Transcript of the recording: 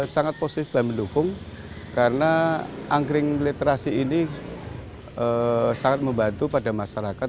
sangat positif dan mendukung karena angkring literasi ini sangat membantu pada masyarakat